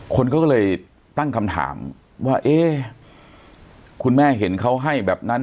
คนก็เลยตั้งคำถามว่าเอ๊ะคุณแม่เห็นเขาให้แบบนั้น